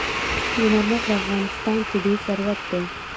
سنگ مرمر د افغانستان طبعي ثروت دی.